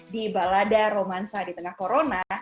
di balada romansa di tengah corona